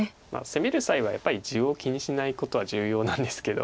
攻める際はやっぱり地を気にしないことは重要なんですけど。